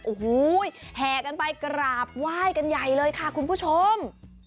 โอ้โหแห่กันไปกราบไหว้กันใหญ่เลยค่ะคุณผู้ชม